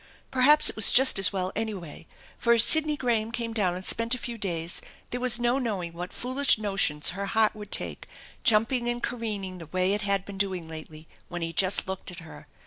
Perhaps it was just as well, any way, for if Sidney Graham came down and spent a few days there was no knowing what foolish notions her heart would take, jumping and careening the way it had been doing lately when he just looked at her.